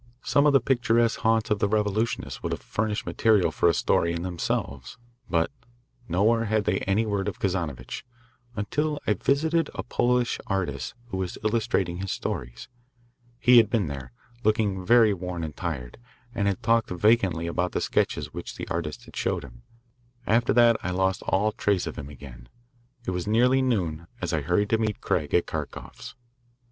Some of the picturesque haunts of the revolutionists would have furnished material for a story in themselves. But nowhere had they any word of Kazanovitch, until I visited a Polish artist who was illustrating his stories. He had been there, looking very worn and tired, and had talked vacantly about the sketches which the artist had showed him. After that I lost all trace of him again. It was nearly noon as I hurried to meet Craig at Kharkoff's.